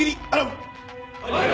はい！